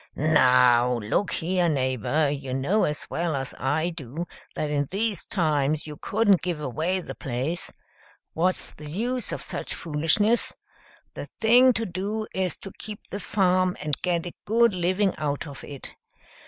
"Now look here, neighbor, you know as well as I do that in these times you couldn't give away the place. What's the use of such foolishness? The thing to do is to keep the farm and get a good living out of it.